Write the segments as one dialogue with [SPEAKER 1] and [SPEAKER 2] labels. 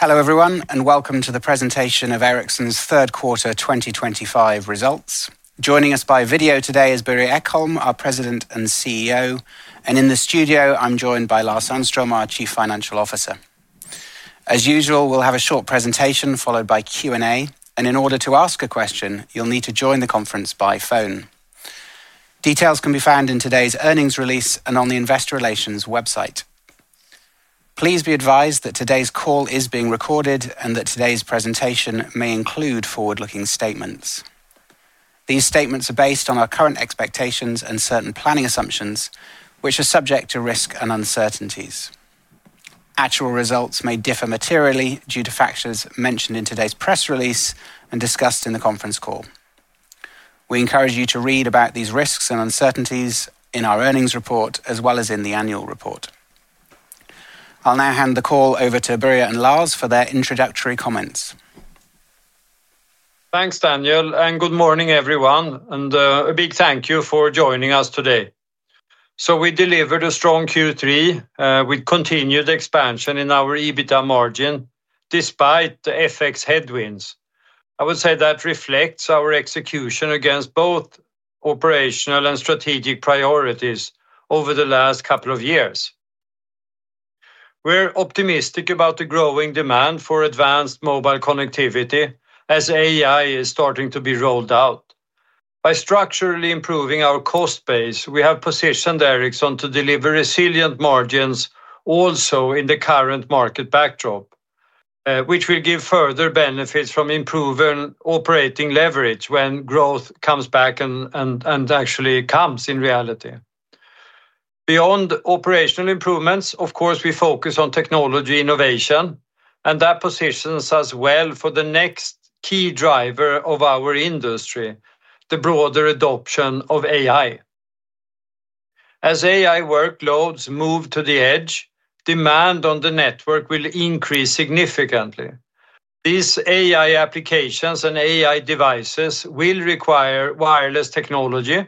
[SPEAKER 1] Hello everyone and welcome to the presentation of Ericsson's third quarter 2025 results. Joining us by video today is Börje Ekholm, our President and CEO, and in the studio I'm joined by Lars Sandström, our Chief Financial Officer. As usual, we'll have a short presentation followed by Q and A, and in order to ask a question, you'll need to join the conference by phone. Details can be found in today's earnings release and on the investor relations website. Please be advised that today's call is being recorded and that today's presentation may include forward-looking statements. These statements are based on our current expectations and certain planning assumptions which are subject to risks and uncertainties. Actual results may differ materially due to factors mentioned in today's press release and discussed in the conference call. We encourage you to read about these risks and uncertainties in our earnings report as well as in the annual report. I'll now hand the call over to Börje and Lars for their introductory comments.
[SPEAKER 2] Thanks, Daniel, and good morning everyone, and a big thank you for joining us today. We delivered a strong Q3 with continued expansion in our EBITDA margin despite the FX headwinds. I would say that reflects our execution against both operational and strategic priorities over the last couple of years. We're optimistic about the growing demand for advanced mobile connectivity as AI is starting to be rolled out. By structurally improving our cost base, we have positioned Ericsson to deliver resilient margins also in the current market backdrop, which will give further benefits from improving operating leverage when growth comes back and actually comes in reality. Beyond operational improvements, of course we focus on technology innovation and that positions us well for the next key driver of our industry, the broader adoption of AI. As AI workloads move to the edge, demand on the network will increase significantly. These AI applications and AI devices will require wireless technology,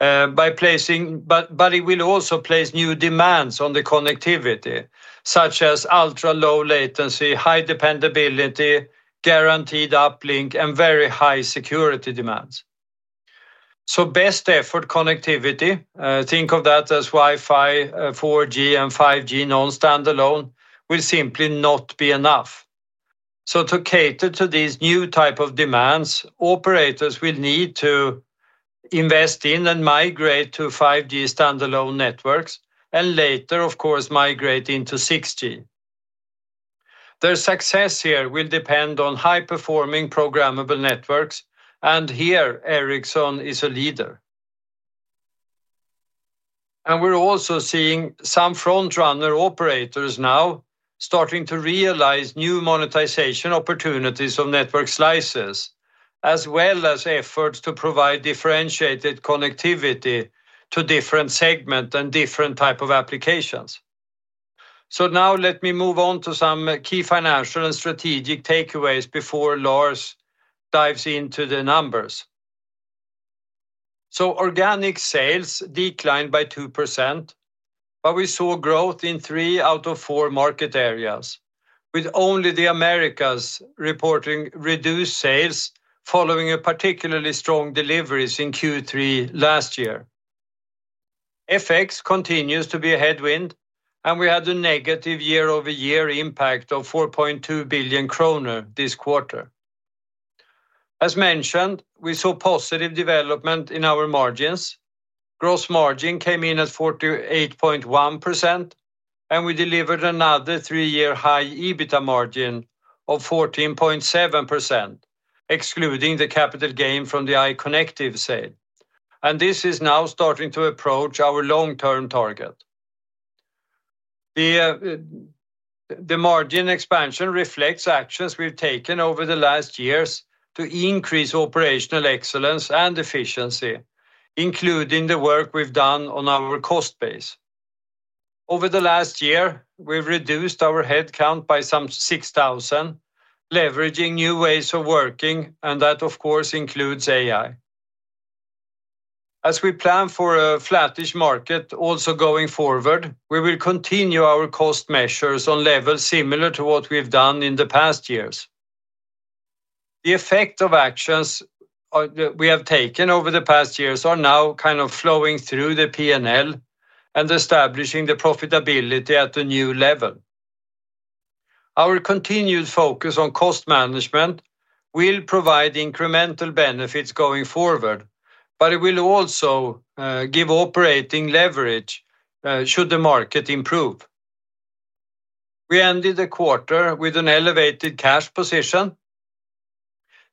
[SPEAKER 2] but it will also place new demands on the connectivity such as ultra low latency, high dependability, guaranteed uplink, and very high security demands. Best effort connectivity, think of that as Wi-Fi, 4G, and 5G non-standalone, will simply not be enough. To cater to these new type of demands, operators will need to invest in and migrate to 5G standalone networks and later, of course, migrate into 6G. Their success here will depend on high performing programmable networks. Ericsson is a leader here. We're also seeing some frontrunner operators now starting to realize new monetization opportunities of network slices as well as efforts to provide differentiated connectivity to different segments and different type of applications. Now let me move on to some key financial and strategic takeaways before Lars dives into the numbers. Organic sales declined by 2%. We saw growth in three out of four market areas, with only the Americas reporting reduced sales following particularly strong deliveries in Q3 last year. FX continues to be a headwind and we had a negative year-over-year impact of 4.2 billion kronor this quarter. As mentioned, we saw positive development in our margins. Gross margin came in at 48.1% and we delivered another three-year high EBITDA margin of 14.7% excluding the capital gain from the iConnective sale. This is now starting to approach our long-term target. The margin expansion reflects actions we've taken over the last years to increase operational excellence and efficiency, including the work we've done on our cost base. Over the last year, we've reduced our headcount by some 6,000, leveraging new ways of working and that of course includes AI. As we plan for a flattish market also going forward, we will continue our cost measures on levels similar to what we've done in the past years. The effect of actions that we have taken over the past years are now kind of flowing through the P&L and establishing the profitability at a new level. Our continued focus on cost management will provide incremental benefits going forward, but it will also give operating leverage should the market improve. We ended the quarter with an elevated cash position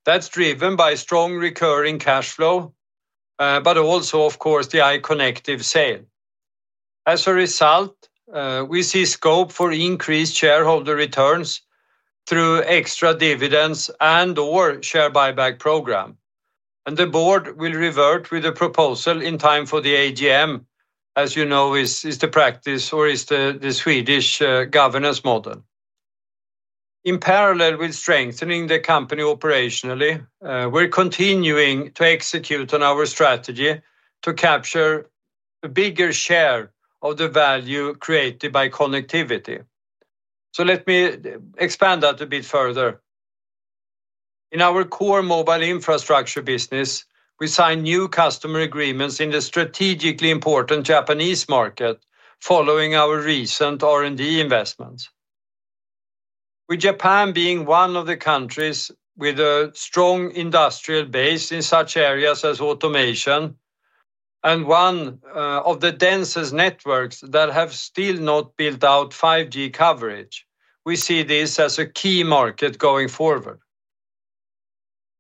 [SPEAKER 2] that's driven by strong recurring cash flow, but also of course the iConnective sale. As a result, we see scope for increased shareholder returns through extra dividends and/or share buyback program. The board will revert with the proposal in time for the AGM. As you know, this is the practice or is the Swedish governance model. In parallel with strengthening the company operationally, we're continuing to execute on our strategy to capture a bigger share of the value created by connectivity. Let me expand that a bit further. In our core mobile infrastructure business, we signed new customer agreements in the strategically important Japanese market following our recent R&D investments. With Japan being one of the countries with a strong industrial base in such areas as automation and one of the densest networks that have still not built out 5G coverage, we see this as a key market going forward.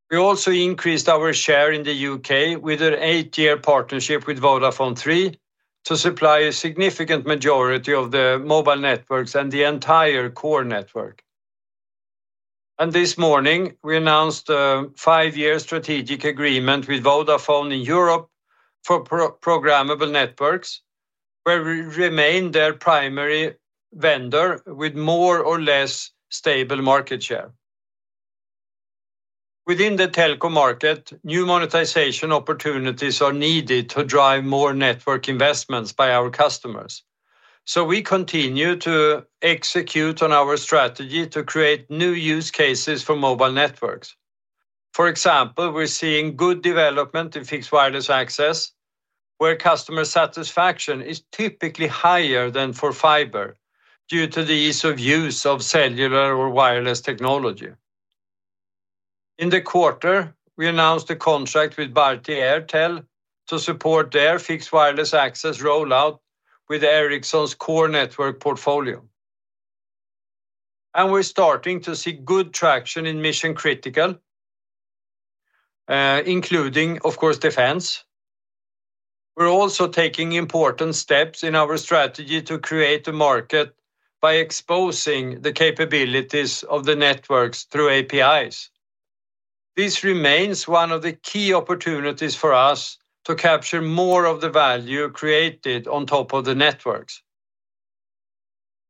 [SPEAKER 2] We also increased our share in the UK with an eight-year partnership with Vodafone to supply a significant majority of the mobile networks and the entire core network. This morning we announced a five-year strategic agreement with Vodafone in Europe for programmable networks where we remain their primary vendor with more or less stable market share within the telco market. New monetization opportunities are needed to drive more network investments by our customers. We continue to execute on our strategy to create new use cases for mobile networks. For example, we're seeing good development in fixed wireless access where customer satisfaction is typically higher than for fiber due to the ease of use of cellular or wireless technology. In the quarter, we announced a contract with Bharti Airtel to support their fixed wireless access rollout with Ericsson's core network portfolio. We're starting to see good traction in mission critical, including of course, defense. We're also taking important steps in our strategy to create a market by exposing the capabilities of the networks through APIs. This remains one of the key opportunities for us to capture more of the value created on top of the networks.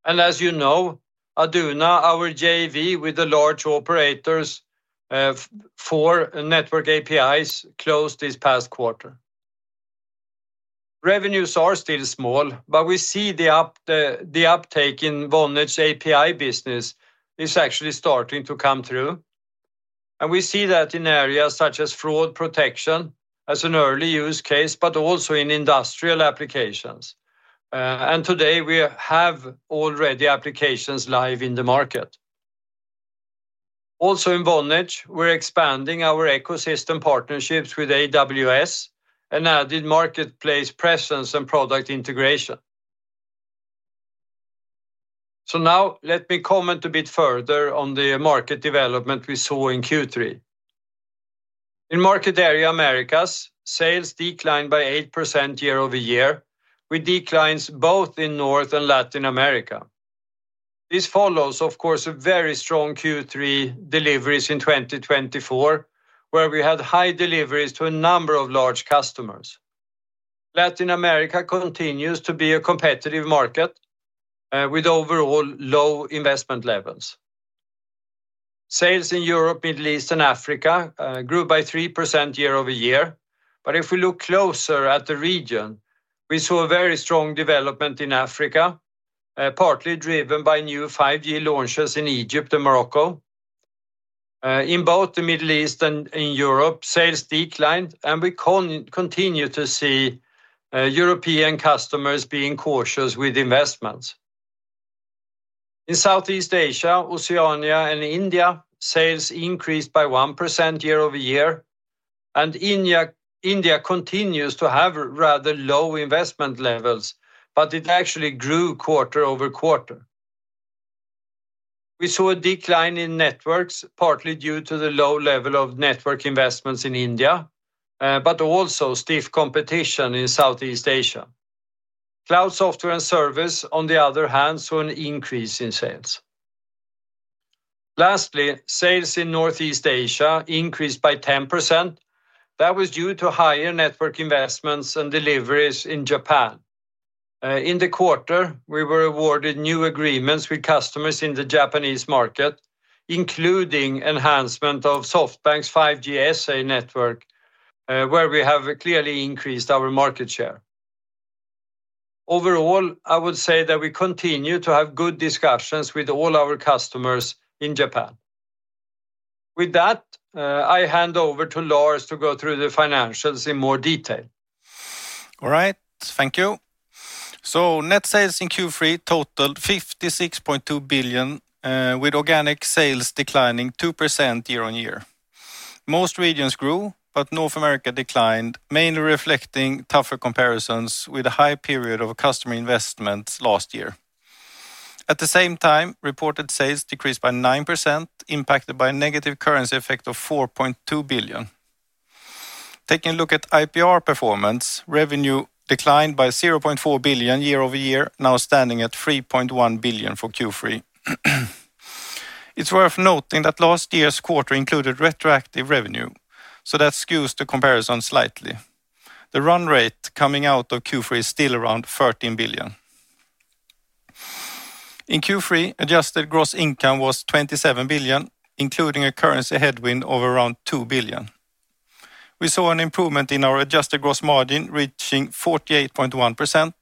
[SPEAKER 2] As you know, Arduna, our JV with the large operators for network APIs, closed this past quarter. Revenues are still small, but we see the uptake in Vonage API business is actually starting to come through and we see that in areas such as fraud protection as an early use case, but also in industrial applications, and today we have already applications live in the market. Also in Vonage, we're expanding our ecosystem partnerships with AWS and added marketplace presence and product integration. Now let me comment a bit further on the market development we saw in Q3. In market area Americas, sales declined by 8% year over year, with declines both in North and Latin America. This follows a very strong Q3 deliveries in 2024 where we had high deliveries to a number of large customers. Latin America continues to be a competitive market with overall low investment levels. Sales in Europe, Middle East and Africa grew by 3% year over year. If we look closer at the region, we saw a very strong development in Africa, partly driven by new 5G launches in Egypt and Morocco. In both the Middle East and Europe, sales declined and we continue to see European customers being cautious with investments. In Southeast Asia, Oceania and India, sales increased by 1% year over year and India continues to have rather low investment levels, but it actually grew quarter over quarter. We saw a decline in Networks, partly due to the low level of network investments in India, but also stiff competition in Southeast Asia. Cloud and Software and Services, on the other hand, saw an increase in sales. Lastly, sales in Northeast Asia increased by 10%. That was due to higher network investments and deliveries in Japan. In the quarter, we were awarded new agreements with customers in the Japanese market, including enhancement of SoftBank's 5G standalone network where we have clearly increased our market share overall. I would say that we continue to have good discussions with all our customers in Japan. With that, I hand over to Lars to go through the financials in more detail.
[SPEAKER 3] All right, thank you. Net sales in Q3 totaled 56.2 billion, with organic sales declining 2% year on year. Most regions grew, but North America declined, mainly reflecting tougher comparisons with a high period of customer investments last year at the same time. Reported sales decreased by 9%, impacted by a negative currency effect of 4.2 billion. Taking a look at IPR licensing performance, revenue declined by 0.4 billion year over year, now standing at 3.1 billion for Q3. It's worth noting that last year's quarter included retroactive revenue, so that skews the comparison slightly. The run rate coming out of Q3 is still around 13 billion. In Q3, adjusted gross income was 27 billion, including a currency headwind of around 2 billion. We saw an improvement in our adjusted gross margin reaching 48.1%.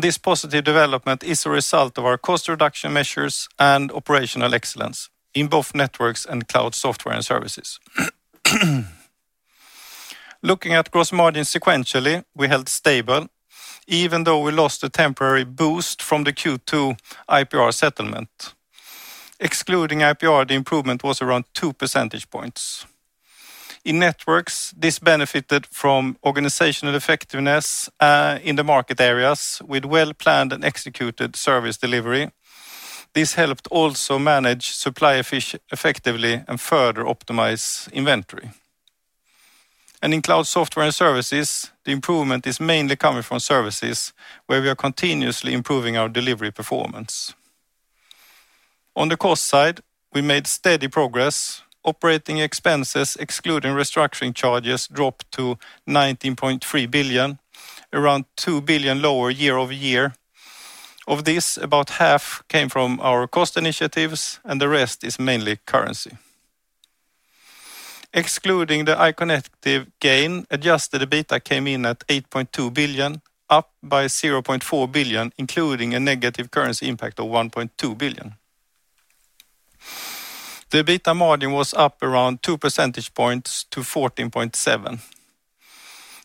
[SPEAKER 3] This positive development is a result of our cost reduction initiatives and operational excellence in both Networks and Cloud and Software and Services. Looking at gross margins sequentially, we held stable even though we lost a temporary boost from the Q2 IPR licensing settlement. Excluding IPR licensing, the improvement was around 2 percentage points. In Networks, this benefited from organizational effectiveness in the market areas with well-planned and executed service delivery. This helped also manage supply effectively and further optimize inventory. In Cloud and Software and Services, the improvement is mainly coming from services where we are continuously improving our delivery performance. On the cost side, we made steady progress. Operating expenses excluding restructuring charges dropped to 19.3 billion, around 2 billion lower year over year. Of this, about half came from our cost reduction initiatives and the rest is mainly currency, excluding the iConnective gain. Adjusted EBITDA came in at 8.2 billion, up by 0.4 billion, including a negative currency impact of 1.2 billion. The EBITDA margin was up around 2 percentage points to 14.7%.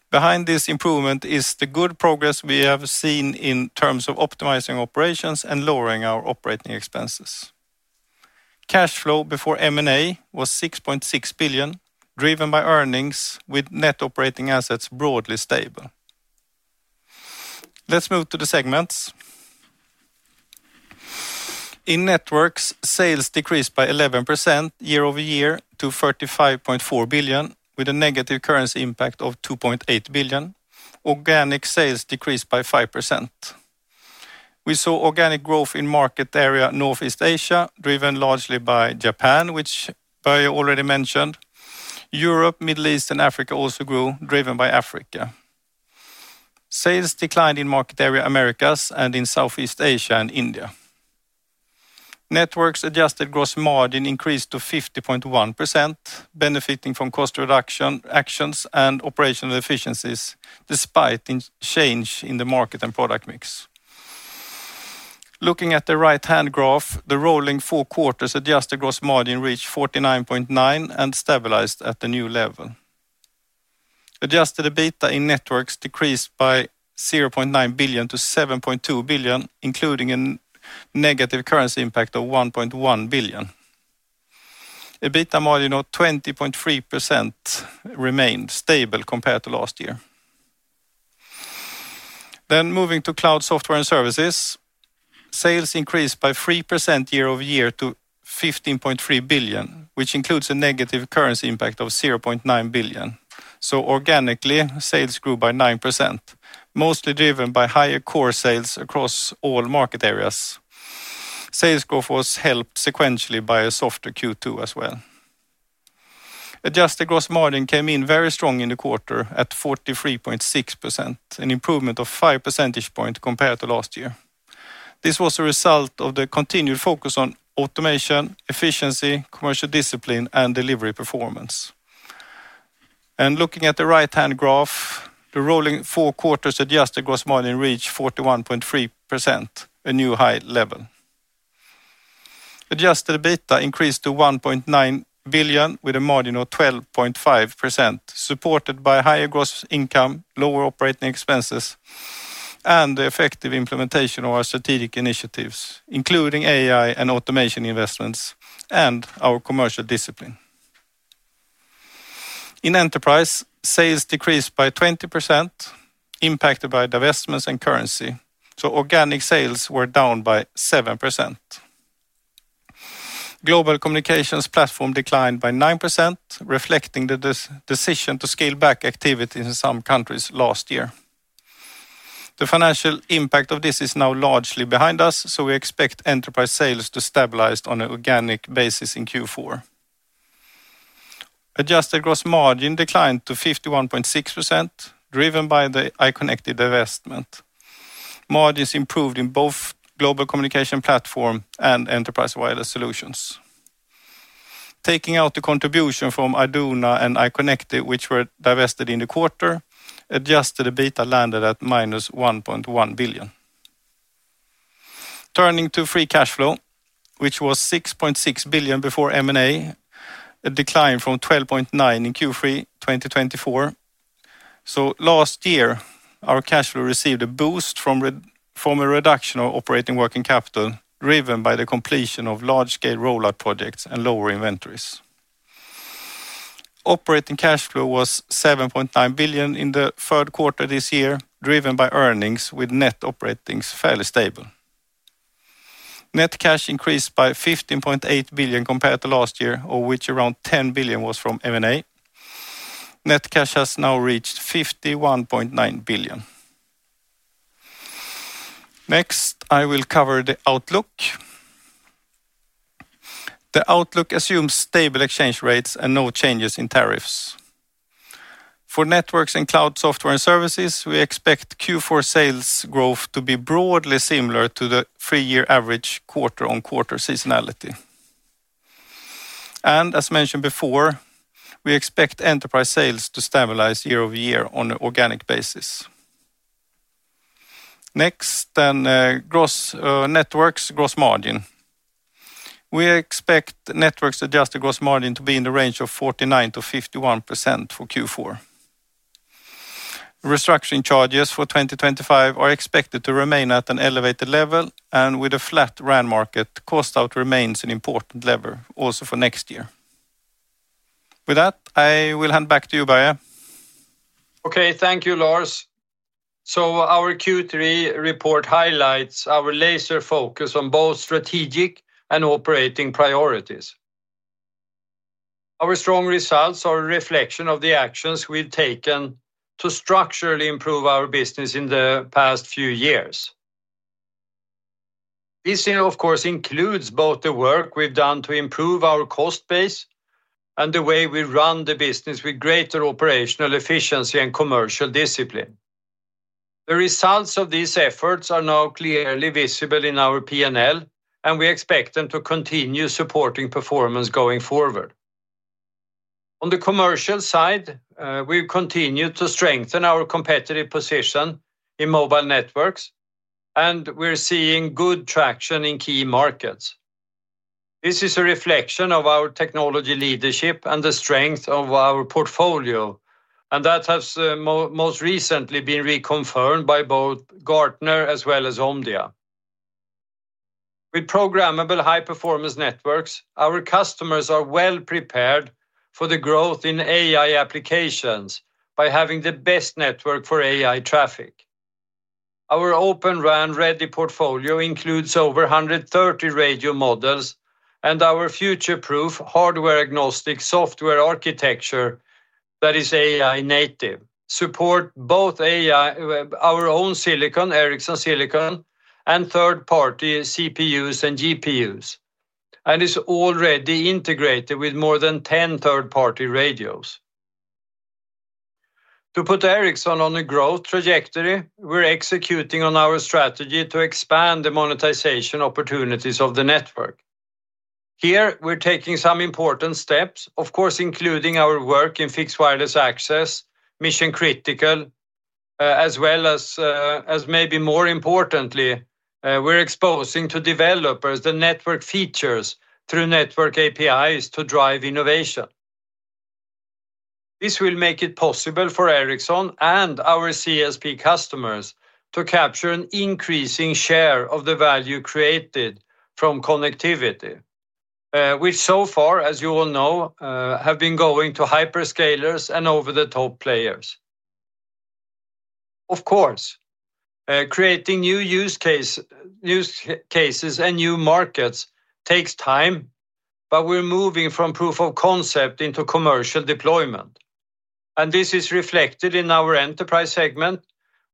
[SPEAKER 3] Behind this improvement is the good progress we have seen in terms of optimizing operations and lowering our operating expenses. Cash flow before M&A was 6.6 billion, driven by earnings with net operating assets broadly stable. Let's move to the segments. In Networks, sales decreased by 11% year over year to 35.4 billion with a negative currency impact of 2.8 billion. Organic sales decreased by 5%. We saw organic growth in market area Northeast Asia, driven largely by Japan, which Börje already mentioned. Europe, Middle East and Africa also grew. Driven by Africa, sales declined in Market Area Americas and in Southeast Asia and India. Networks adjusted gross margin increased to 50.1%, benefiting from cost reduction actions and operational efficiencies despite change in the market and product mix. Looking at the right-hand graph, the rolling 4/4 adjusted gross margin reached 49.9% and stabilized at the new level. Adjusted EBITDA in Networks decreased by $0.9 billion to $7.2 billion, including a negative currency impact of $1.1 billion. EBITDA margin at 20.3% remained stable compared to last year. Moving to Cloud and Software and Services, sales increased by 3% year over year to $15.3 billion, which includes a negative currency impact of $0.9 billion. Organically, sales grew by 9%, mostly driven by higher core sales across all market areas. Sales growth was helped sequentially by a softer Q2 as well. Adjusted gross margin came in very strong in the quarter at 43.6%, an improvement of 5 percentage points compared to last year. This was a result of the continued focus on automation efficiency, commercial discipline, and delivery performance. Looking at the right-hand graph, the rolling 4/4 adjusted gross margin reached 41.3%. At a new high level, adjusted EBITDA increased to $1.9 billion with a margin of 12.5%, supported by higher gross income, lower operating expenses, and the effective implementation of our strategic initiatives including AI and automation investments and our commercial discipline. In Enterprise, sales decreased by 20%, impacted by divestments and currency. Organic sales were down by 7%. Global Communications Platform declined by 9%, reflecting the decision to scale back activities in some countries last year. The financial impact of this is now largely behind us, and we expect Enterprise sales to stabilize on an organic basis. In Q4, adjusted gross margin declined to 51.6%, driven by the iConnective divestment. Margins improved in both Global Communications Platform and Enterprise Wireless Solutions. Taking out the contribution from Arduna and iConnective, which were divested in the quarter, adjusted EBITDA landed at minus $1.1 billion. Turning to free cash flow, which was $6.6 billion before M&A, this declined from $12.9 billion in Q3 2024. Last year, our cash flow received a boost from a reduction of operating working capital driven by the completion of large-scale rollout projects and lower inventories. Operating cash flow was 7.9 billion in the third quarter this year, driven by earnings with net operating fairly stable. Net cash increased by 15.8 billion compared to last year, of which around 10 billion was from max. Net cash has now reached 51.9 billion. Next, I will cover the outlook. The outlook assumes stable exchange rates and no changes in tariffs for Networks and Cloud and Software and Services. We expect Q4 sales growth to be broadly similar to the three-year average quarter-on-quarter seasonality, and as mentioned before, we expect Enterprise sales to stabilize year over year on an organic basis. Next, Networks gross margin: we expect Networks adjusted gross margin to be in the range of 49% to 51% for Q4. Restructuring charges for 2025 are expected to remain at an elevated level, and with a flat R&D, market cost out remains an important lever also for next year. With that, I will hand back to you, Börje.
[SPEAKER 2] Okay, thank you Lars. Our Q3 report highlights our laser focus on both strategic and operating priorities. Our strong results are a reflection of the actions we've taken to structurally improve our business in the past few years. This of course includes both the work we've done to improve our cost base and the way we run the business with greater operational efficiency and commercial discipline. The results of these efforts are now clearly visible in our P&L, and we expect them to continue supporting performance going forward. On the commercial side, we continue to strengthen our competitive position in mobile networks, and we're seeing good traction in key markets. This is a reflection of our technology leadership and the strength of our portfolio, and that has most recently been reconfirmed by both Gartner as well as Omdia. With programmable high-performance networks, our customers are well prepared for the growth in AI applications by having the best network for AI traffic. Our Open RAN-ready portfolio includes over 130 radio models and our future-proof, hardware-agnostic software architecture that is AI native supports both our own Ericsson silicon and third-party CPUs and GPUs, and is already integrated with more than 10 third-party radios. To put Ericsson on a growth trajectory, we're executing on our strategy to expand the monetization opportunities of the network. Here, we're taking some important steps, including our work in fixed wireless access, mission-critical, as well as, maybe more importantly, we're exposing to developers the network features through network APIs to drive innovation. This will make it possible for Ericsson and our CSP customers to capture an increasing share of the value created from connectivity, which so far, as you all know, has been going to hyperscalers and over-the-top players. Of course, creating new use cases and new markets takes time, but we're moving from proof of concept into commercial deployment, and this is reflected in our Enterprise segment,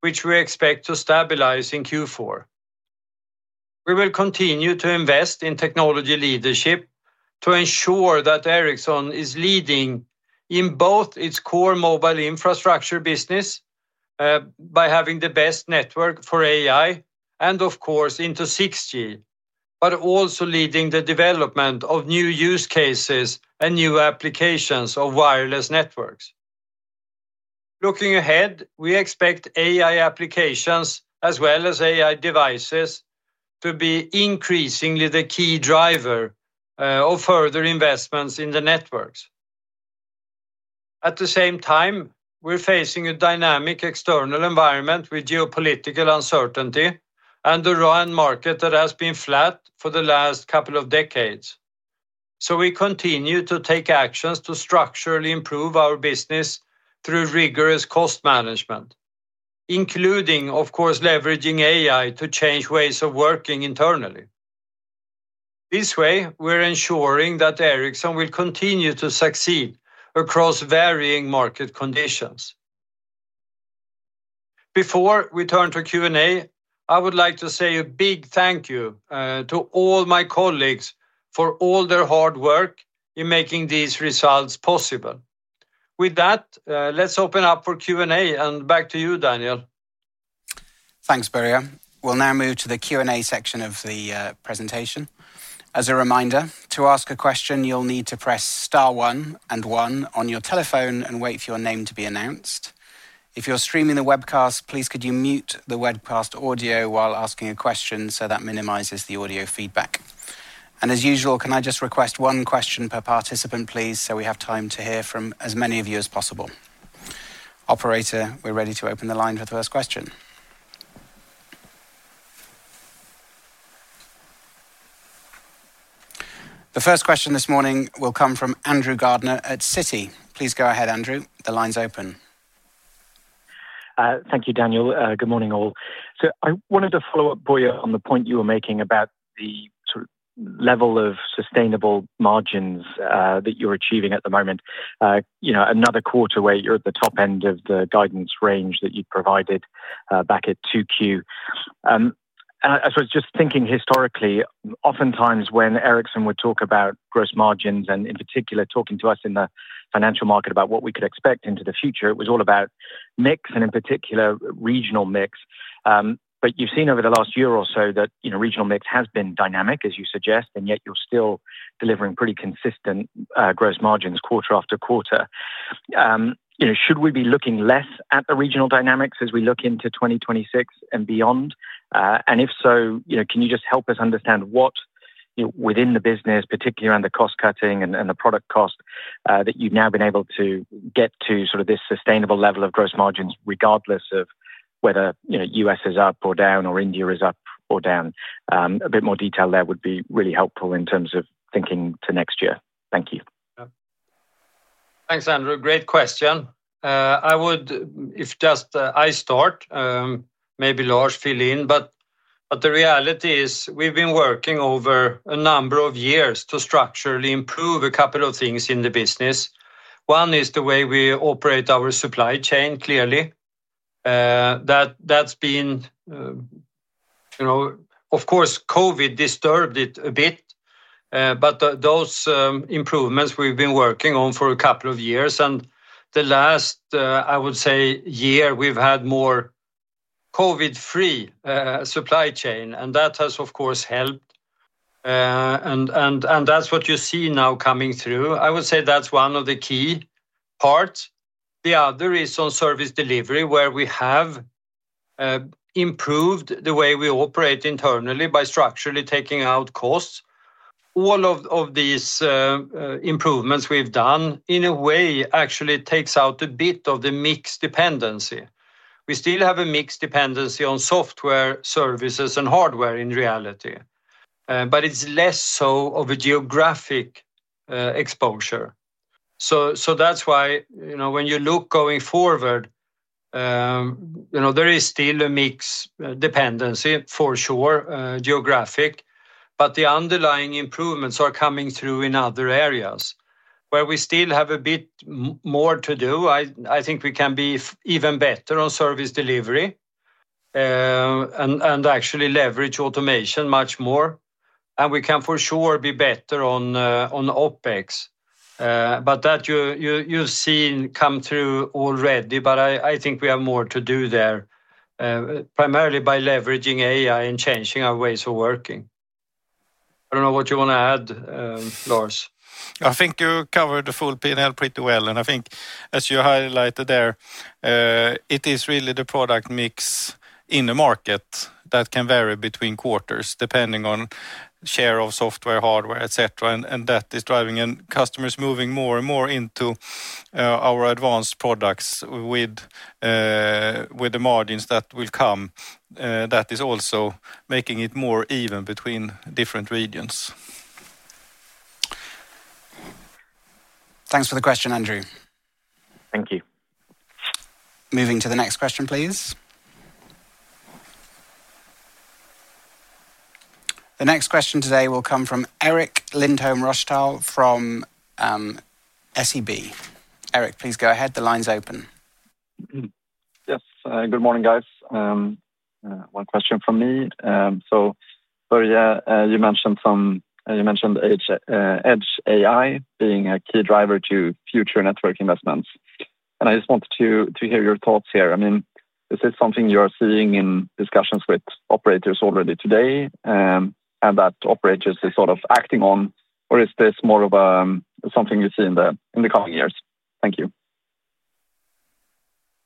[SPEAKER 2] which we expect to stabilize in Q4. We will continue to invest in technology leadership to ensure that Ericsson is leading in both its core mobile infrastructure business by having the best network for AI, and of course, into 6G, but also leading the development of new use cases and new applications of wireless networks. Looking ahead, we expect AI applications as well as AI devices to be increasingly the key driver of further investments in the networks. At the same time, we're facing a dynamic external environment with geopolitical uncertainty and the RAN market that has been flat for the last couple of decades. We continue to take actions to structurally improve our business through rigorous cost management, including, of course, leveraging AI to change ways of working internally. This way, we're ensuring that Ericsson will continue to succeed across varying market conditions. Before we turn to Q&A, I would like to say a big thank you to all my colleagues for all their hard work in making these results possible. With that, let's open up for Q&A. Back to you, Daniel.
[SPEAKER 1] Thanks, Börje. We'll now move to the Q&A section of the presentation. As a reminder, to ask a question, you'll need to press Star one and one on your telephone and wait for your name to be announced. If you're streaming the webcast, please could you mute the webcast audio while asking a question, so that minimizes the audio feedback? As usual, can I just request one question per participant, please, so we have time to hear from as many of you as possible? Operator, we're ready to open the line for the first question. The first question this morning will come from Andrew Gardiner at Citi. Please go ahead, Andrew. The line's open. Thank you, Daniel. Good morning all. I wanted to follow up, Börje, on the point you were making about the level of sustainable margins that you're achieving at the moment. Another quarter where you're at the top end of the guidance range that you'd provided back at Q2. I was just thinking, historically, oftentimes when Ericsson would talk about gross margins, and in particular talking to us in the financial market about what we could expect into the future, it was all about mix, and in particular regional mix. You've seen over the last year or so that regional mix has been dynamic, as you suggest, and yet you're still delivering pretty consistent gross margins quarter after quarter. Should we be looking less at the regional dynamics as we look into 2026 and beyond? If so, can you just help us understand what within the business, particularly around the cost cutting and the product cost, that you've now been able to get to sort of this sustainable level of gross margins regardless of whether U.S. is up or down or India is up or down? A bit more detail there would be really helpful in terms of thinking to next year. Thank you.
[SPEAKER 2] Thanks, Andrew. Great question. I would, if just I start, maybe Lars fill in, but the reality is we've been working over a number of years to structurally improve a couple of things in the business. One is the way we operate our supply chain. Clearly, that's been, you know, of course, Covid disturbed it a bit, but those improvements we've been working on for a couple of years, and the last, I would say, year we've had more Covid-free supply chain, and that has, of course, helped, and that's what you see now coming through. I would say that's one of the key parts. The other is on service delivery, where we have improved the way we operate internally by structurally taking out costs. All of these improvements we've done in a way actually takes out a bit of the mix dependency. We still have a mix dependency on software, services, and hardware in reality, but it's less so of a geographic exposure. That's why, you know, when you look going forward, you know there is still a mix dependency for sure, geographic. The underlying improvements are coming through in other areas where we still have a bit more to do. I think we can be even better on service delivery and actually leverage automation much more, and we can for sure be better on OpEx, but that you've seen come through already. I think we have more to do there, primarily by leveraging AI and changing our ways of working. I don't know what you want to add, Lars.
[SPEAKER 3] I think you covered the full P&L pretty well, and I think as you highlighted there, it is really the product mix in the market that can vary between quarters depending on share of software, hardware, etc. That is driving customers moving more and more into our advanced products, with the margins that will come. That is also making it more even between different regions.
[SPEAKER 1] Thanks for the question, Andrew. Thank you. Moving to the next question, please. The next question today will come from Eric Lindholm Rochtal from SEB. Eric, please go ahead. The line's open. Yes, good morning guys. One question from me. You mentioned Edge AI being a key driver to future network investments, and I just wanted to hear your thoughts here. I mean, is this something you are seeing in discussions with operators already today and that operators are sort of acting on, or is this more of something you see in the coming years? Thank you.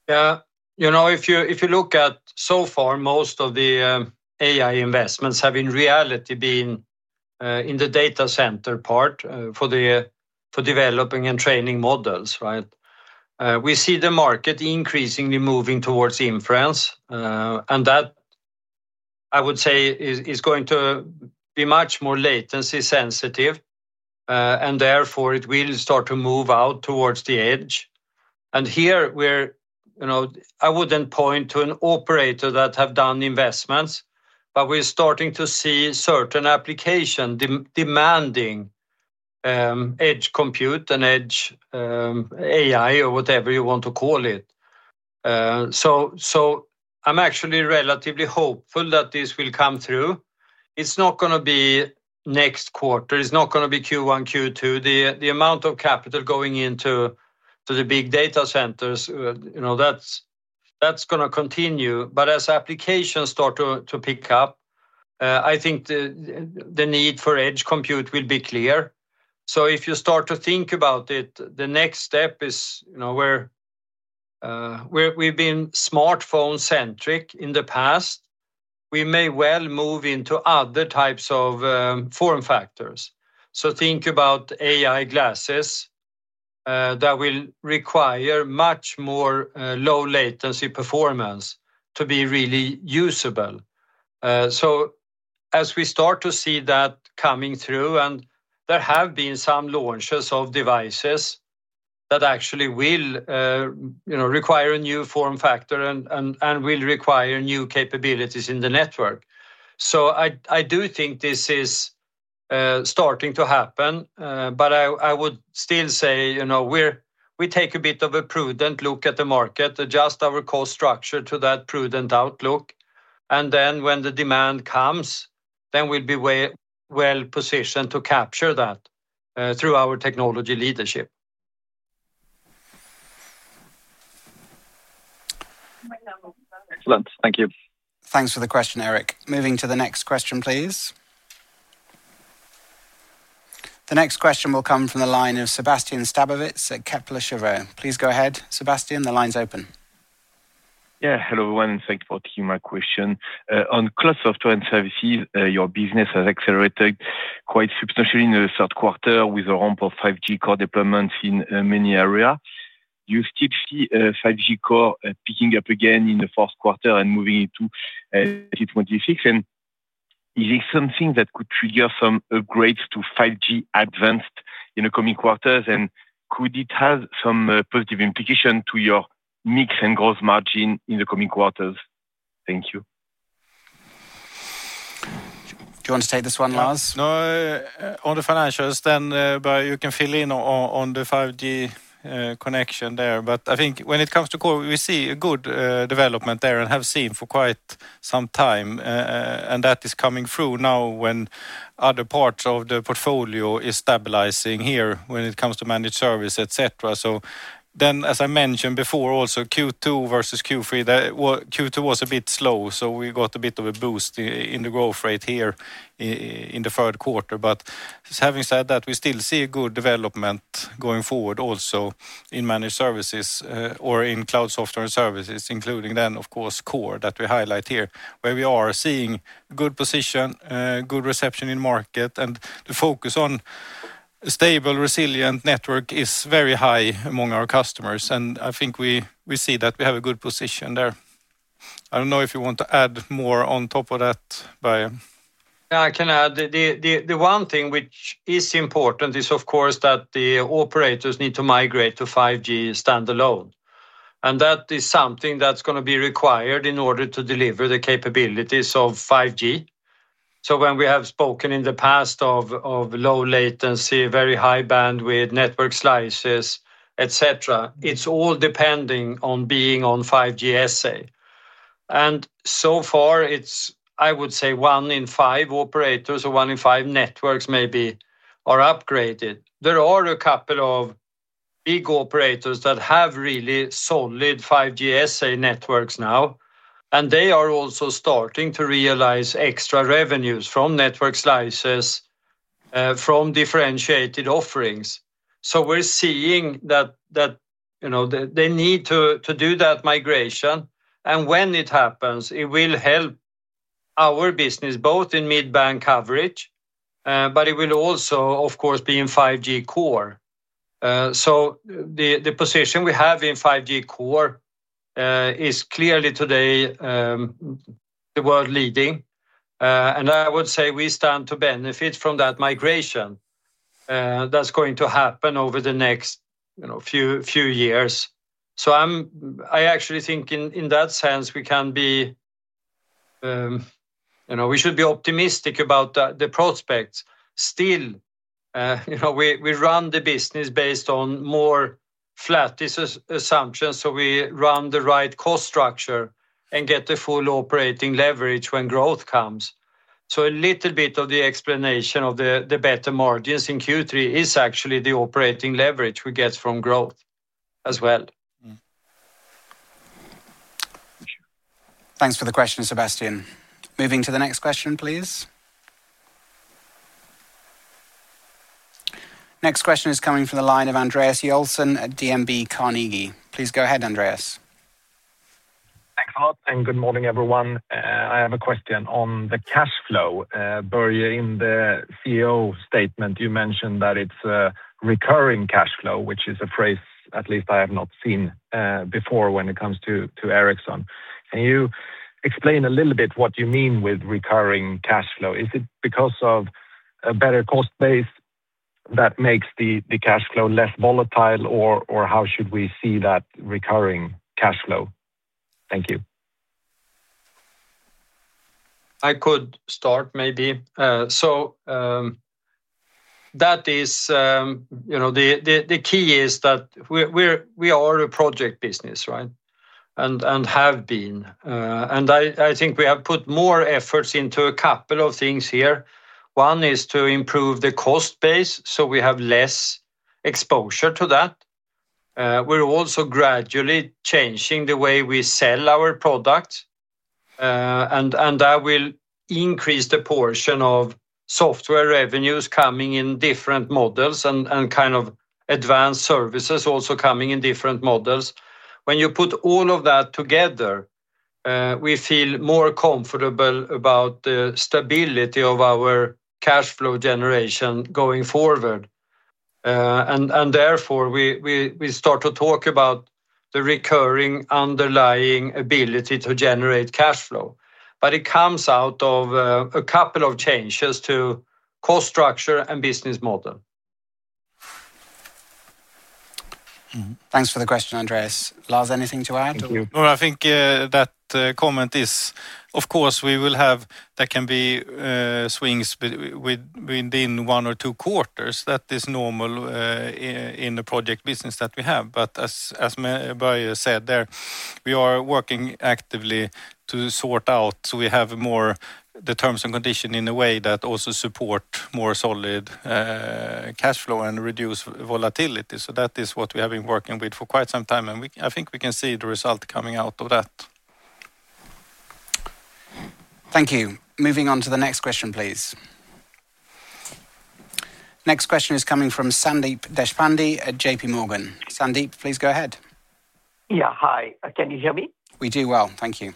[SPEAKER 2] Yeah. If you look at so far, most of the AI investments have in reality been in the data center part for developing and training models. Right. We see the market increasingly moving towards inference and that, I would say, is going to be much more latency sensitive and therefore it will start to move out towards the edge. Here, I wouldn't point to an operator that has done investments, but we're starting to see certain applications demanding edge compute and edge AI or whatever you want to call it. I'm actually relatively hopeful that this will come through. It's not going to be next quarter, it's not going to be Q1 or Q2. The amount of capital going into the big data centers, that's going to continue. As applications start to pick up, I think the need for edge compute will be clear. If you start to think about it, the next step is we've been smartphone centric in the past, we may well move into other types of form factors. Think about AI glasses that will require much more low latency performance to be really usable. As we start to see that coming through and there have been some launches of devices that actually will require a new form factor and will require new capabilities in the network. I do think this is starting to happen. I would still say we take a bit of a prudent look at the market, adjust our cost structure to that prudent outlook, and then when the demand comes, we'll be well positioned to capture that through our technology leadership. Excellent, thank you.
[SPEAKER 1] Thanks for the question, Eric. Moving to the next question, please. The next question will come from the line of Sébastien Sztabowicz at Kepler Cheuvreux, please. Go ahead, Sébastien. The line's open.
[SPEAKER 3] Yeah. Hello everyone. Thank you for taking my question. On Cloud and Software and Services, your business has accelerated quite substantially in the third quarter with a ramp of 5G core deployments in many areas. You still see 5G core picking up again in the fourth quarter and moving into 2020. Is it something that could trigger some upgrades to 5G advanced in the coming quarters, and could it have some positive implication to your mix and gross margin in the coming quarters? Thank you.
[SPEAKER 1] Do you want to take this one, Lars?
[SPEAKER 3] No, on the financials then you can fill in on the 5G connection there. I think when it comes to core we see a good development there and have seen for quite some time and that is coming through now. When other parts of the portfolio are stabilizing here when it comes to managed service, etc. As I mentioned before also Q2 versus Q3, Q2 was a bit slow, so we got a bit of a boost in the growth rate here in the third quarter. Having said that, we still see a good development going forward also in managed services or in Cloud and Software and Services including then of course core that we highlight here where we are seeing good position, good reception in market and the focus on stable, resilient network is very high among our customers and I think we see that we have a good position there. I don't know if you want to add more on top of that, but I can add.
[SPEAKER 2] The one thing which is important is of course that the operators need to migrate to 5G standalone and that is something that's going to be required in order to deliver the capabilities of 5G. When we have spoken in the past of low latency, very high bandwidth network slices, etc., it's all depending on being on 5G SA and so far it's, I would say, 1 in 5 operators or 1 in 5 networks maybe are upgraded. There are a couple of big operators that have really solid 5G SA networks now and they are also starting to realize extra revenues from network slices from differentiated offerings. We're seeing that they need to do that migration and when it happens it will help our business both in mid band coverage, but it will also of course be in 5G core. The position we have in 5G core is clearly today the world leading and I would say we stand to benefit from that migration that's going to happen over the next few years. I actually think in that sense we can be, we should be optimistic about the prospects still. We run the business based on more flat assumptions so we run the right cost structure and get the full operating leverage when growth comes. A little bit of the explanation of the better margins in Q3 is actually the operating leverage we get from growth as well.
[SPEAKER 1] Thanks for the question Sébastien. Moving to the next question please. Next question is coming from the line of Andreas Joelsson at Carnegie. Please go ahead Andreas. Thanks a lot and good morning everyone. I have a question on the cash flow. Börje, in the CEO statement you mentioned that it's recurring cash flow, which is a phrase at least I have not seen before when it comes to Ericsson. Can you explain a little bit what you mean with recurring cash flow? Is it because of a better cost base that makes the cash flow less volatile, or how should we see that recurring cash flow? Thank you.
[SPEAKER 2] I could start, maybe.
[SPEAKER 3] So.
[SPEAKER 2] That is, you know, the key is that we are a project business, right? And have been. I think we have put more efforts into a couple of things here. One is to improve the cost base so we have less exposure to that. We're also gradually changing the way we sell our product. I will increase the portion of software revenues coming in different models and kind of advanced services also coming in different models. When you put all of that together, we feel more comfortable about the stability of our cash flow generation going forward. Therefore we start to talk about the recurring underlying ability to generate cash flow. It comes out of a couple of changes to cost structure and business model.
[SPEAKER 1] Thanks for the question, Andreas. Lars, anything to add?
[SPEAKER 3] No, I think that comment is. Of course we will have. There can be swings within one or two quarters. That is normal in the project business that we have. As Börje said, we are working actively to sort out, we have more the terms and conditions in a way that also support more solid cash flow and reduce volatility. That is what we have been working with for quite some time, and I think we can see the result coming out of that.
[SPEAKER 1] Thank you. Moving on to the next question, please. Next question is coming from Sandeep Deshpande at JPMorgan. Sandeep, please go ahead. Hi, can you hear me? Thank you.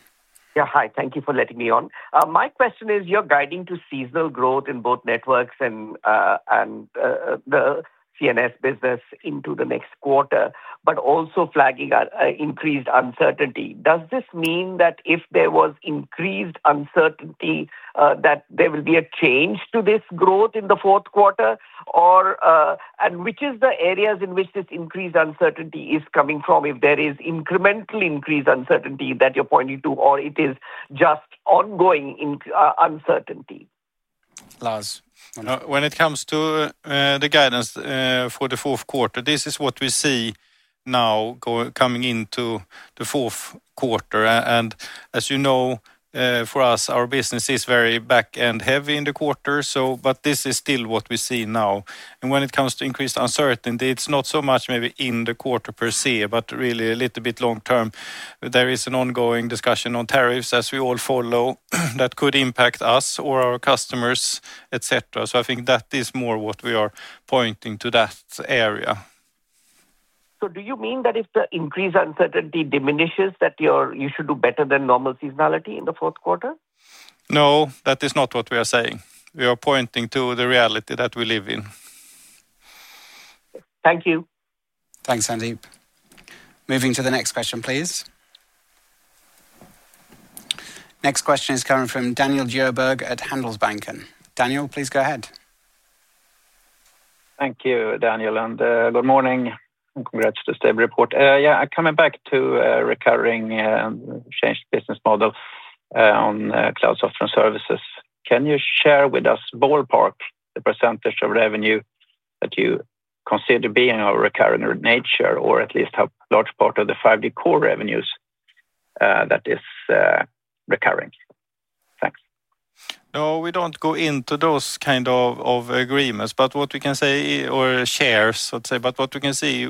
[SPEAKER 1] Yeah, hi, thank you for letting me on. My question is you're guiding to seasonal growth in both Networks and the Cloud and Software and Services business into the next quarter, but also flagging increased uncertainty. Does this mean that if there was increased uncertainty that there will be a change to this growth in the fourth quarter, or which is the areas in which this increased uncertainty is coming from? If there is incremental increased uncertainty that you're pointing to, or it is just ongoing uncertainty.
[SPEAKER 3] Lars, when it comes to the guidance for the fourth quarter, this is what we see now coming into the fourth quarter. As you know, for us, our business is very back end heavy in the quarter. This is still what we see now. When it comes to increased uncertainty, it's not so much maybe in the quarter per se, but really a little bit long term. There is an ongoing discussion on tariffs, as we all follow, that could impact us or our customers, etc. I think that is more what we are pointing to in that area. Do you mean that if the increased uncertainty diminishes, you should do better than normal seasonality in the fourth quarter? No, that is not what we are saying. We are pointing to the reality that we live in. Thank you.
[SPEAKER 1] Thanks, Sandeep. Moving to the next question, please. Next question is coming from Daniel Djoerberg at Handelsbanken. Daniel, please go ahead. Thank you, Daniel, and good morning, and congratulations to every report. Yeah, coming back to recurring changed business model on Cloud and Software and Services. Can you share with us, ballpark, the percentage of revenue that you consider being of a recurring nature or at least a large part of the 5G core revenues that is recurring? Thanks.
[SPEAKER 3] No, we don't go into those kind of agreements, but what we can say, or shares let's say, but what we can see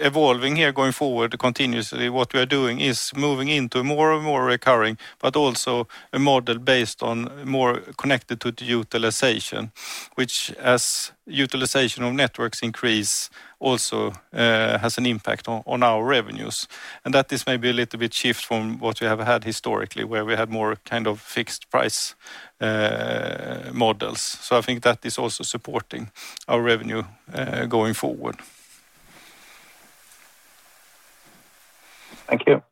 [SPEAKER 3] evolving here going forward continuously, what we are doing is moving into more and more recurring but also a model based on more connected to the utilization, which as utilization of networks increase also has an impact on our revenues, and that is maybe a little bit shift from what we have had historically where we had more kind of fixed price models. I think that is also supporting our revenue going forward. Thank you.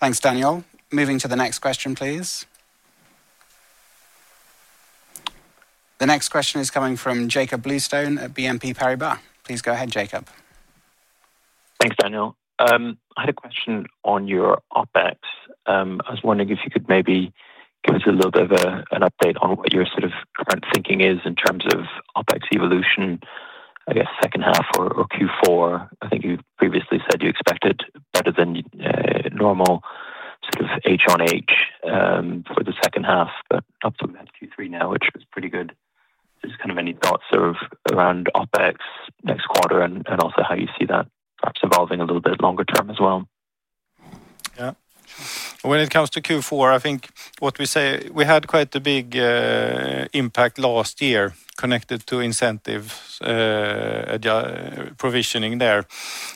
[SPEAKER 1] Thanks Daniel. Moving to the next question please. The next question is coming from Jakob Bluestone at Exane BNP. Please go ahead Jakob. Thanks, Daniel. I had a question on your OPEX. I was wondering if you could maybe give us a little bit of an update on what your sort of current thinking is in terms of OPEX evolution, I guess second half or Q4. I think you previously said you expected better than normal sort of H on H for the second half, but up to that Q3 now, which is pretty good. Just any thoughts around OPEX next quarter and also how you see that perhaps evolving a little bit longer term as well.
[SPEAKER 3] Yeah, when it comes to Q4, I think what we say is we had quite a big impact last year connected to incentives provisioning there,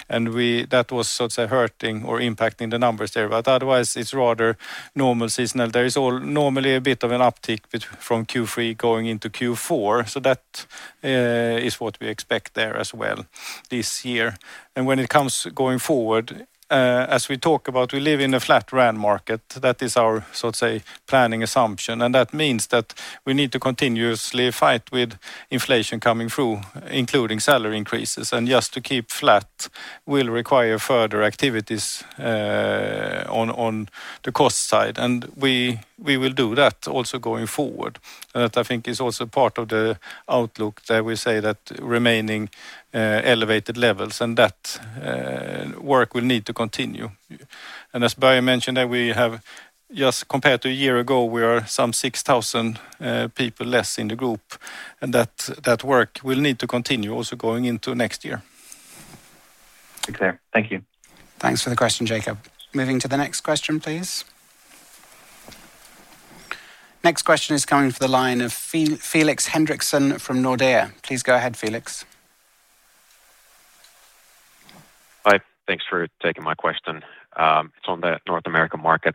[SPEAKER 3] and that was sort of hurting or impacting the numbers there. Otherwise, it's rather normal seasonal. There is normally a bit of an uptick from Q3 going into Q4. That is what we expect there as well this year. When it comes to going forward, as we talk about, we live in a flat R&D market. That is our sort of planning assumption, and that means that we need to continuously fight with inflation coming through, including salary increases, and just to keep flat will require further activities on the cost side. We will do that also going forward. I think it is also part of the outlook that we say that remaining elevated levels and that work will need to continue. As Börje mentioned, we have, just compared to a year ago, we are some 6,000 people less in the group, and that work will need to continue also going into next year. Thank you.
[SPEAKER 1] Thanks for the question, Jakob. Moving to the next question, please. Next question is coming from the line of Felix Henriksson from Nordea. Please go ahead, Felix. Hi, thanks for taking my question. It's on the North American market.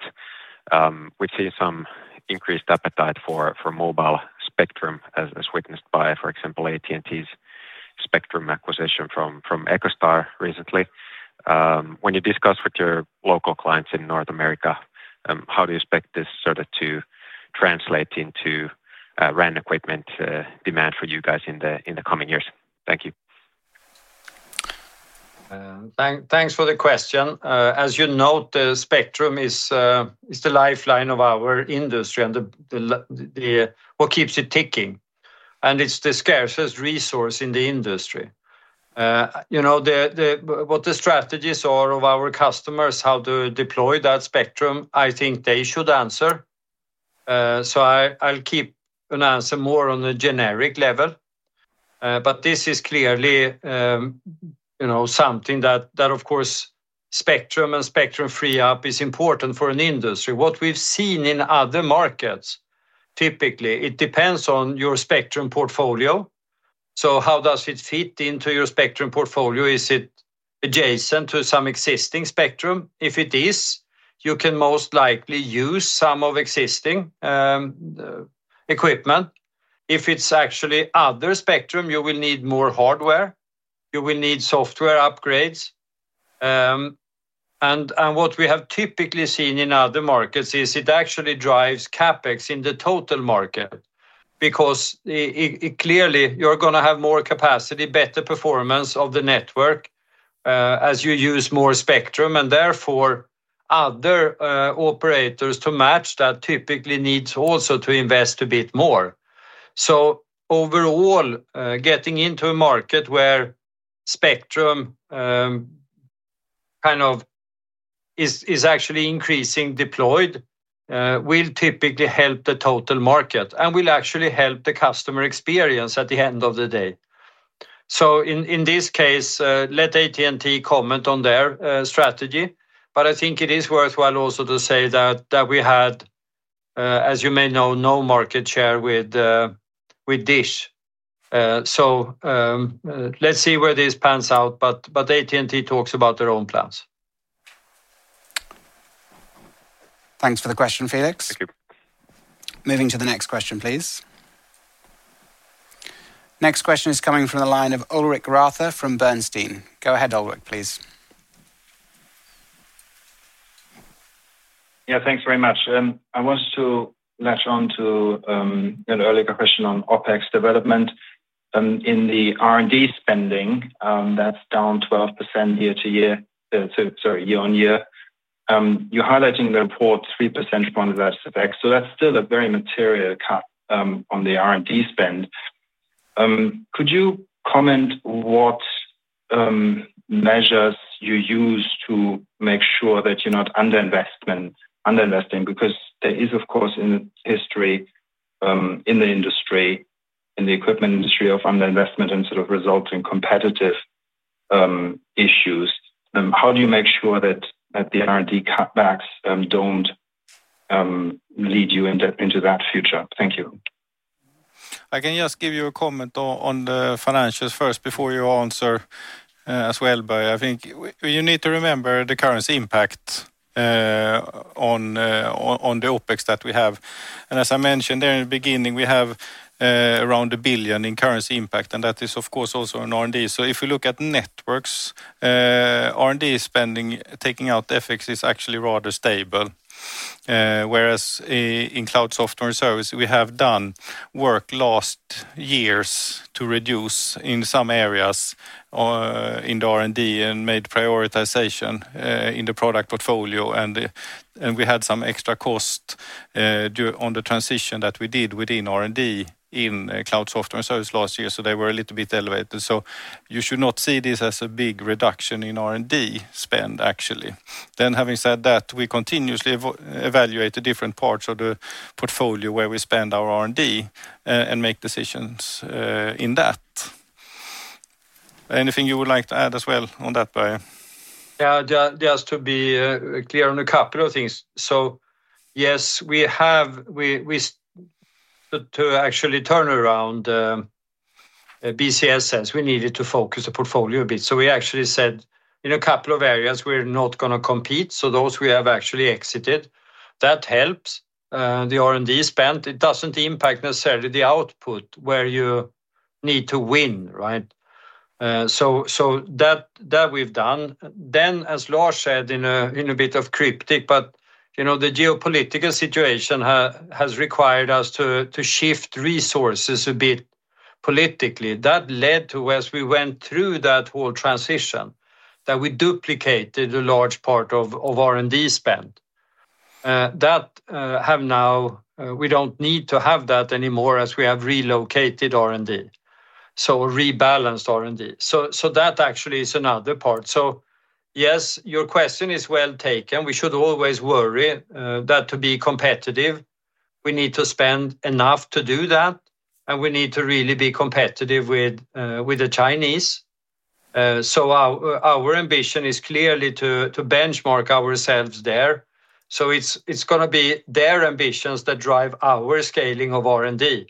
[SPEAKER 1] We've seen some increased appetite for mobile spectrum as witnessed by, for example, AT&T's spectrum acquisition from Ecostar recently. When you discuss with your local clients in North America, how do you expect this sort of to translate into random equipment demand for you guys in the coming years? Thank you.
[SPEAKER 2] Thanks for the question. As you note, spectrum is the lifeline of our industry and what keeps it ticking, and it's the scarcest resource in the industry. You know what the strategies are of our customers, how to deploy that spectrum. I think they should answer. I'll keep an answer more on a generic level. This is clearly something that, of course, spectrum and spectrum free up is important for an industry. What we've seen in other markets, typically it depends on your spectrum portfolio. How does it fit into your spectrum portfolio? Is it adjacent to some existing spectrum? If it is, you can most likely use some of existing equipment. If it's actually other spectrum, you will need more hardware, you will need software upgrades. What we have typically seen in other markets is it actually drives CapEx in the total market because clearly you're going to have more capacity, better performance of the network as you use more spectrum, and therefore other operators to match that typically need also to invest a bit more. Overall, getting into a market where spectrum is actually increasing deployed will typically help the total market and will actually help the customer experience at the end of the day. In this case, let AT&T comment on their strategy. I think it is worthwhile also to say that we had, as you may know, no market share with Dish. Let's see where this pans out. AT&T talks about their own plans.
[SPEAKER 1] Thanks for the question, Felix. Thank you. Moving to the next question, please. Next question is coming from the line of Ulrich Rathe from Bernstein. Go ahead Ulrich, please. Yeah, thanks very much. I want to latch on to an earlier question on OPEX development in the R&D spending that's down 12% year on year. You're highlighting in the report 3%. That's still a very material cut on the R&D spend. Could you comment what measures you use to make sure that you're not under investing? Because there is of course in history in the industry, in the equipment industry, of under investment and sort of resulting competitive issues. How do you make sure that the R&D cutbacks don't lead you into that future? Thank you.
[SPEAKER 3] I can just give you a comment on the financials first before you answer as well. I think you need to remember the currency impact on the OPEX that we have, and as I mentioned there in the beginning, we have around $1 billion in currency impact, and that is of course also in R&D. If we look at Networks, R&D spending taking out FX is actually rather stable, whereas in Cloud and Software and Services we have done work last years to reduce in some areas in the R&D and made prioritization in the product portfolio, and we had some extra cost on the transition that we did within R&D in Cloud and Software and Services. It was last year, so they were a little bit elevated. You should not see this as a big reduction in R&D spend actually. Having said that, we continuously evaluate the different parts of the portfolio where we spend our R&D and make decisions in that. Anything you would like to add as.
[SPEAKER 2] Just to be clear on a couple of things. Yes, to actually turn around BSS we needed to focus the portfolio a bit, so we actually said in a couple of areas we're not going to compete. Those we have actually exited, and that helps the R&D spend. It doesn't impact necessarily the output where you need to win. That we've done. Then, as Lars said, in a bit of cryptic, the geopolitical situation has required us to shift resources a bit politically. That led to, as we went through that whole transition, duplicating a large part of R&D spend that now we don't need to have anymore as we have relocated R&D. So, rebalanced R&D. That actually is another part. Yes, your question is well taken. We should always worry that to be competitive we need to spend enough to do that, and we need to really be competitive with the Chinese. Our ambition is clearly to benchmark ourselves there. It's going to be their ambitions that drive our scaling of R&D.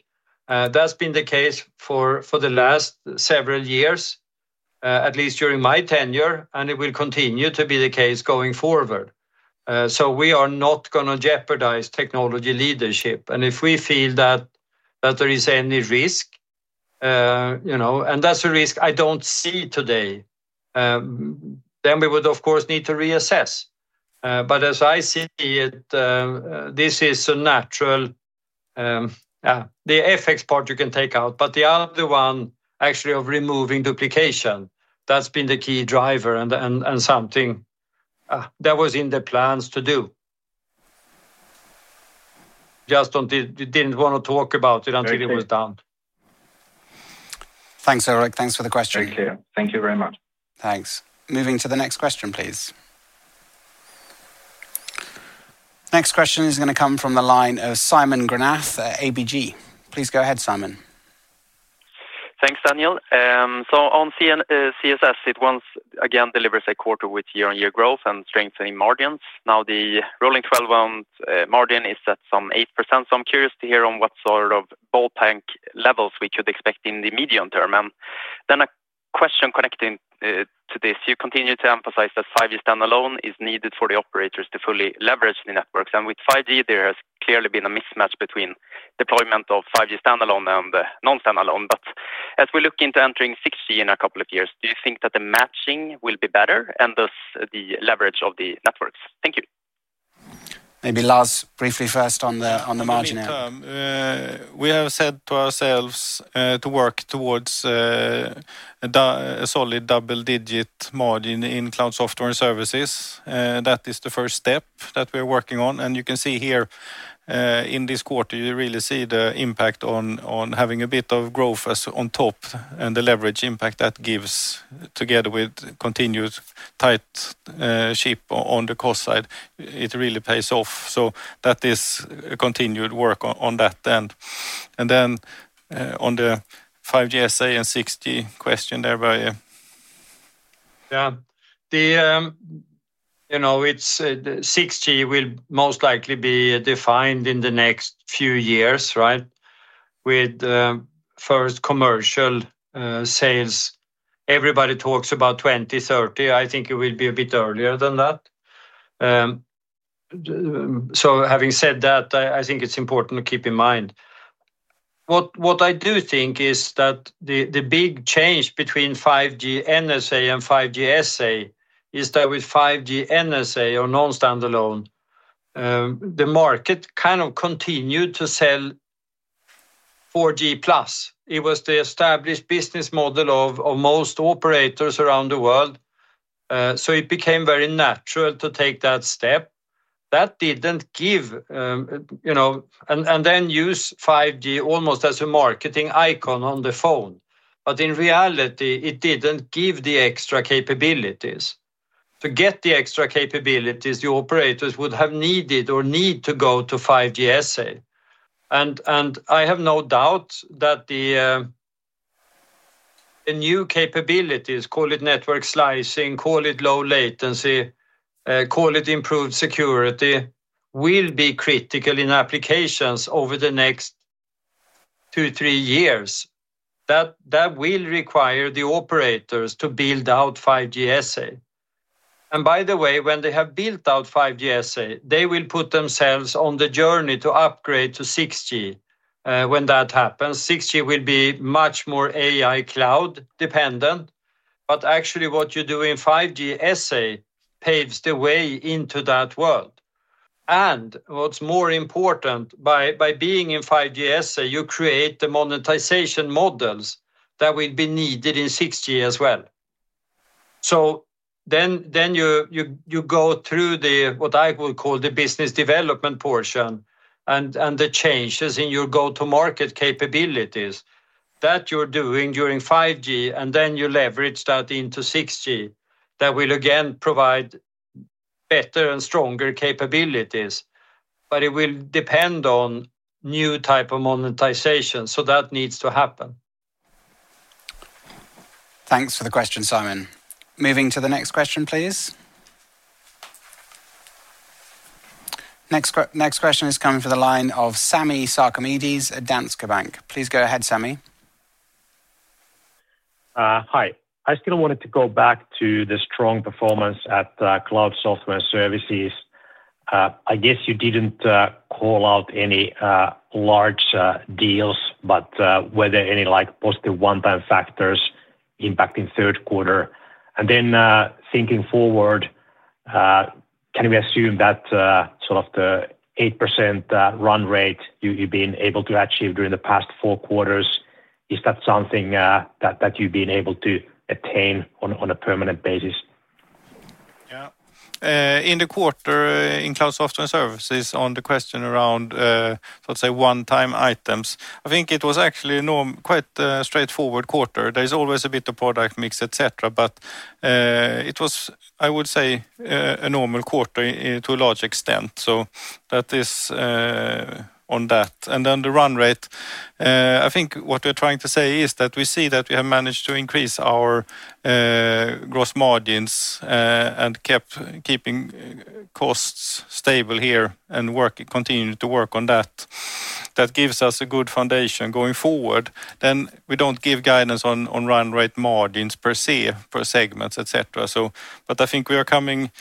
[SPEAKER 2] That's been the case for the last several years, at least during my tenure, and it will continue to be the case going forward. We are not going to jeopardize technology leadership, and if we feel that there is any risk, and that's a risk I don't see today, then we would of course need to reassess. As I see it, this is a natural—the FX part you can take out, but the other one, actually of removing duplication, that's been the key driver and something that was in the plans to do. Just didn't want to talk about it until it was done.
[SPEAKER 1] Thanks Ulrich, thanks for the question. Thank you. Thank you very much. Thanks. Moving to the next question please. Next question is going to come from the line of Simon Granath, ABG. Please go ahead Simon. On Cloud and Software and Services, it once again delivers a quarter with year-on-year growth and strengthening margins. Now the rolling 12-month margin is at some 8%, so I'm curious to hear on what sort of ballpark levels we could expect in the medium term. A question connecting to this: you continue to emphasize that 5G standalone is needed for the operators to fully leverage the Networks. With 5G, there has clearly been a mismatch between deployment of 5G standalone and non-standalone. As we look into entering 6G in a couple of years, do you think that the matching will be better and thus the leverage of the Networks? Thank you. Maybe Lars, briefly first on the margin.
[SPEAKER 3] We have said to ourselves to work towards a solid double-digit mod in Cloud and Software and Services. That is the first step that we're working on, and you can see here in this quarter you really see the impact on having a bit of growth on top and the leverage impact that gives, together with continued tight ship on the cost side, it really pays off. That is continued work on that end. On the 5G standalone and 6G question there by, yeah.
[SPEAKER 2] 6G will most likely be defined in the next few years, right. With first commercial sales, everybody talks about 2030. I think it will be a bit earlier than that. Having said that, I think it's important to keep in mind what I do think is that the big change between 5G NSA and 5G standalone is that with 5G NSA, or non-standalone, the market kind of continued to sell 4G Plus. It was the established business model of most operators around the world. It became very natural to take that step that didn't give and then use 5G almost as a marketing icon on the phone. In reality, it didn't give the extra capabilities. To get the extra capabilities, the operators would have needed or need to go to 5G SA. I have no doubt that the new capabilities, call it network slicing, call it low latency, call it improved security, will be critical in applications over the next two, three years that will require the operators to build out 5G SA. By the way, when they have built out 5G SA, they will put themselves on the journey to upgrade to 6G. When that happens, 6G will be much more AI cloud dependent. Actually, what you do in 5G SA paves the way into that world. What's more important, by being in 5G SA, you create the monetization models that will be needed in 6G as well. You go through what I would call the business development portion and the changes in your go-to-market capabilities that you're doing during 5G, and then you leverage that into 6G. That will again provide better and stronger capabilities, but it will depend on new type of monetization. That needs to happen.
[SPEAKER 1] Thanks for the question, Simon. Moving to the next question, please. Next question is coming from the line of Sami Sarkamies at Danske Bank. Please go ahead, Sami. Hi. I still wanted to go back to the strong performance at Cloud and Software and Services. I guess you didn't call out any large deals, but were there any positive one-time factors impacting third quarter? Thinking forward, can we assume that the 8% run rate you've been able to achieve during the past four quarters is something that you've been able to attain on a permanent basis?
[SPEAKER 3] In the quarter in Cloud and Software and Services? On the question around, let's say, one-time items, I think it was actually quite a straightforward quarter. There's always a bit of product mix, etc., but it was, I would say, a normal quarter to a large extent. That is on that. The run rate, I think what we're trying to say is that we see that we have managed to increase our gross margins and keep costs stable here and continue to work on that. That gives us a good foundation going forward. We don't give guidance on run rate margins per se, per segments, etc., but I think we are coming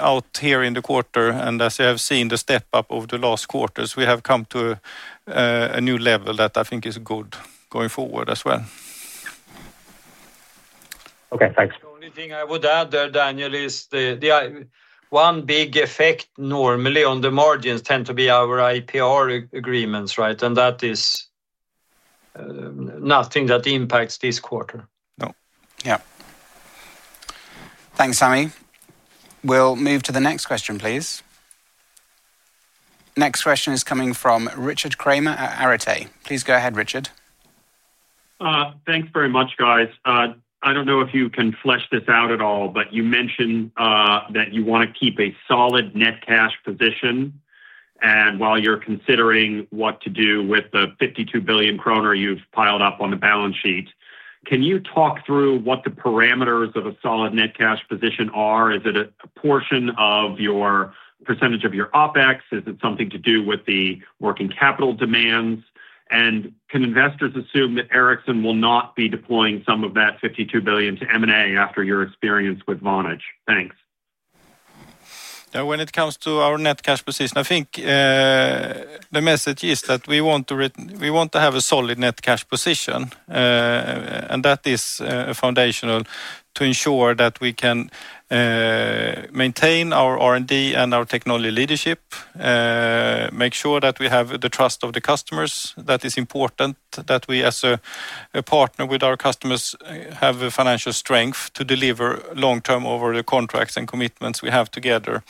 [SPEAKER 3] out here in the quarter, and as you have seen the step up over the last quarters, we have come to a new level that I think is good going forward as well. Okay, thanks.
[SPEAKER 2] The only thing I would add there, Daniel, is the one big effect normally on the margins tends to be our IPR agreements. That is nothing that impacts this quarter.
[SPEAKER 3] No.
[SPEAKER 1] Yeah, thanks Sami. We'll move to the next question please. Next question is coming from Richard Kramer at Arete. Please go ahead Richard. Thanks very much guys. I don't know if you can flesh this out at all, but you mentioned that you want to keep a solid net cash position, and while you're considering what to do with the 52 billion kronor you've piled up on the balance sheet, can you talk through what the parameters of a solid net cash position are? Is it a portion or percentage of your OpEx? Is it something to do with the working capital demands? Can investors assume that Ericsson will not be deploying some of that 52 billion to M&A after your experience with Vonage? Thanks.
[SPEAKER 3] When it comes to our net cash position, I think the message is that we want to have a solid net cash position and that is foundational to ensure that we can maintain our R&D and our technology leadership, make sure that we have the trust of the customers. It is important that we as a partner with our customers have financial strength to deliver long term over the contracts and commitments we have together.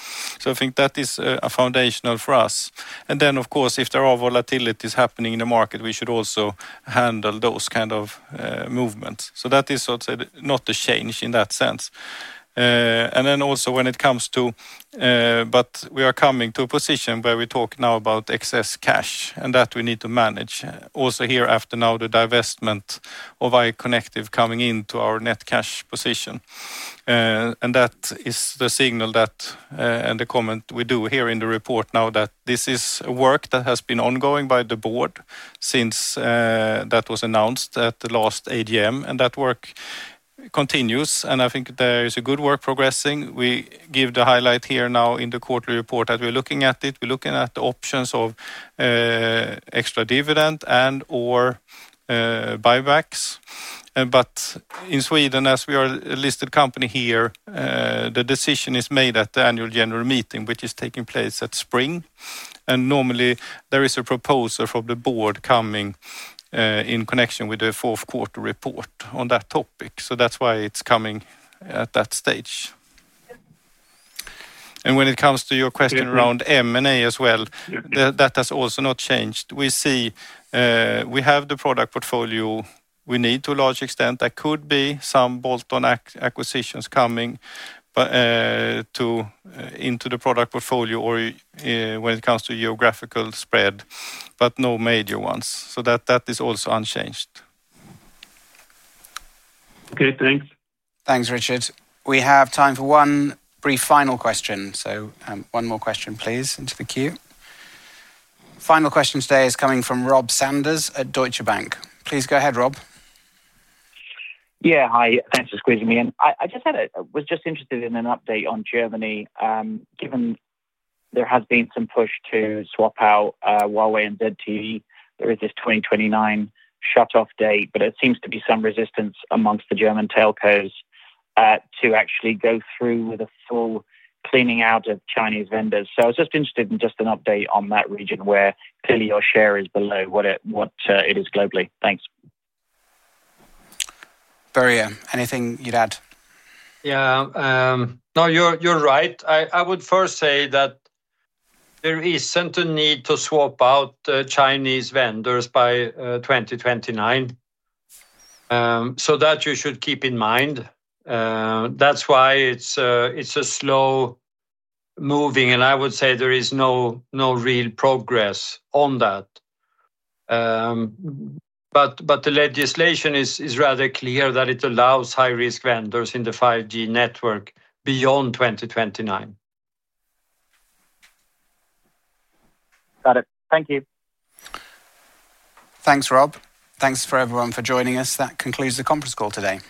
[SPEAKER 3] I think that is foundational for us. If there are volatilities happening in the market, we should also handle those kinds of movements. That is not a change in that sense. We are coming to a position where we talk now about excess cash and that we need to manage also here after now the divestment of iConnective coming into our net cash position. That is the signal and the comment we do here in the report now, that this is work that has been ongoing by the board since that was announced at the last AGM and that work continues. I think there is good work progressing. We give the highlight here now in the quarterly report that we're looking at it. We're looking at the options of extra dividend and/or buybacks. In Sweden, as we are a listed company here, the decision is made at the Annual General Meeting which is taking place that spring. Normally there is a proposal from the board coming in connection with the fourth quarter report on that topic. That's why it's coming at that stage. When it comes to your question around M&A as well, that has also not changed. We see we have the product portfolio we need to a large extent. There could be some bolt-on acquisitions coming into the product portfolio or when it comes to geographical spread, but no major ones. That is also unchanged. Okay, thanks.
[SPEAKER 1] Thanks, Richard. We have time for one brief final question, so one more question, please. Into the queue. Final question today is coming from Rob Sanders at Deutsche Bank. Please go ahead. Rob. Hi. Thanks for squeezing me in. I was just interested in an update on Germany. Given there has been some push to swap out Huawei and ZTE. There is this 2029 shut off date, but it seems to be some resistance amongst the German telcos to actually go through with a full cleaning out of Chinese vendors. I was just interested in an update on that region where clearly your share is below what it is globally. Thanks. Börje, anything you'd add?
[SPEAKER 2] You're right. I would first say that there is certain need to swap out Chinese vendors by 2029. You should keep in mind that's why it's a slow moving. I would say there is no real progress on that. The legislation is rather clear that it allows high risk vendors in the 5G network beyond 2029. Got it. Thank you.
[SPEAKER 1] Thanks, Rob. Thanks everyone for joining us. That concludes the conference call today.